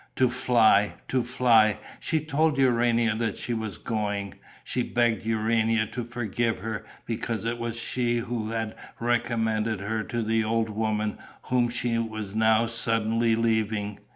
To fly, to fly! She told Urania that she was going. She begged Urania to forgive her, because it was she who had recommended her to the old woman whom she was now suddenly leaving.